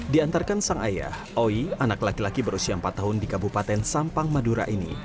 diantarkan sang ayah oi anak laki laki berusia empat tahun di kabupaten sampang madura ini